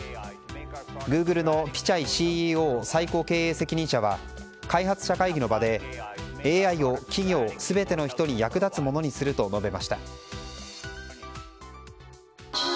グーグルのピチャイＣＥＯ・最高経営責任者は開発者会議の場でＡＩを企業、全ての人に役立つものにすると述べました。